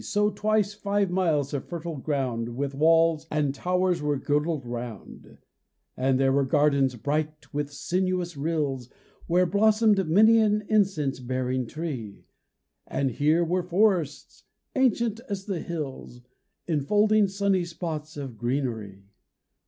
So twice five miles of fertile ground With walls and towers were girdled round : And there were gardens bright with sinuous rills W 7 here blossom'd many an incense bearing tree; And here were forests ancient as the hills, Enfolding sunny spots of greenery.